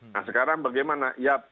nah sekarang bagaimana ya